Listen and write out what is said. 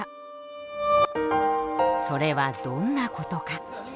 それはどんな事か。